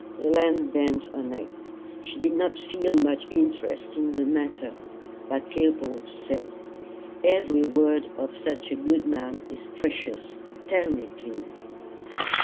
Helen bent her neck: she did not feel much interest in the matter. But Leopold said, "Every word of such a good man is precious: tell me, please."